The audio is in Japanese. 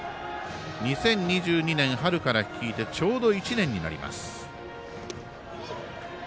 ２０２２年春から率いてちょうど１年になります。